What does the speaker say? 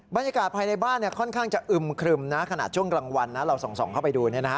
บรรยากาศภายในบ้านค่อนข้างจะอึมครึมนะขณะช่วงกลางวันเราส่องเข้าไปดู